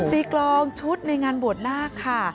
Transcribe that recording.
กลองชุดในงานบวชนาคค่ะ